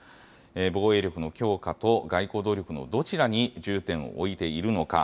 防衛力の強化と外交努力のどちらに重点を置いているのか。